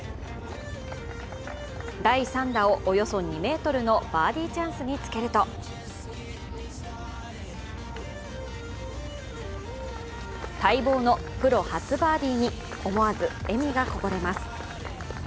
第３打をおよそ２ｍのバーディーチャンスにつけると待望のプロ初バーディーに思わず笑みがこぼれます。